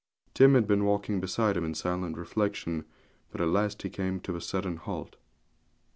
Tim had been walking beside him in silent reflection; but at last he came to a sudden halt.